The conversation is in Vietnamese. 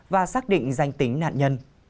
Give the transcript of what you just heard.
và xác định danh tính nạn nhân